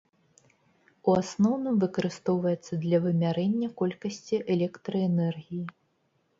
У асноўным выкарыстоўваецца для вымярэння колькасці электраэнергіі.